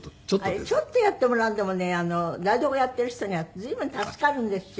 ちょっとやってもらうんでもね台所やってる人には随分助かるんですよ。